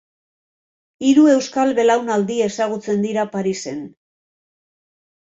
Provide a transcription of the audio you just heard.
Hiru euskal belaunaldi ezagutzen dira Parisen.